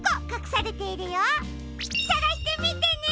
さがしてみてね！